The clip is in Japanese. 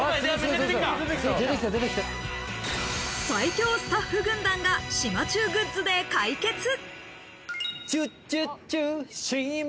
最強スタッフ軍団が島忠グッズで解決。